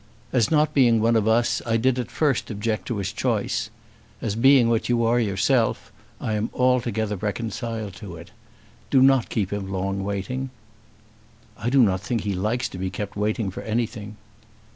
As not being one of us I did at first object to his choice. As being what you are yourself, I am altogether reconciled to it. Do not keep him long waiting." "I do not think he likes to be kept waiting for anything."